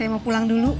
saya mau pulang dulu